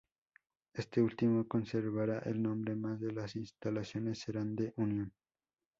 Este último conservará el nombre, más las instalaciones serán de Unión.